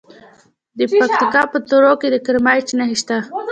د پکتیکا په تروو کې د کرومایټ نښې شته.